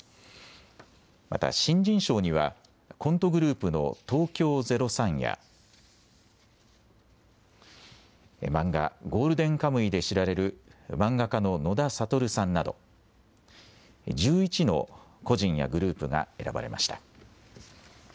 また新人賞にはコントグループの東京０３や漫画、ゴールデンカムイで知られる漫画家の野田サトルさんなど１１の個人やグループが選ばれました。